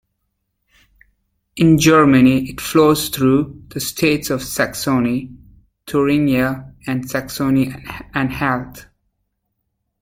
In Germany, it flows through the states of Saxony, Thuringia and Saxony-Anhalt.